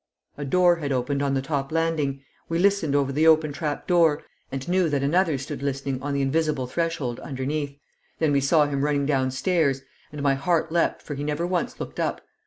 A door had opened on the top landing. We listened over the open trap door, and knew that another stood listening on the invisible threshold underneath; then we saw him running downstairs, and my heart leapt for he never once looked up.